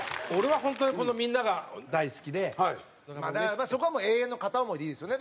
まあそこはもう永遠の片思いでいいですよね。